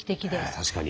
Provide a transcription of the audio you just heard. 確かに。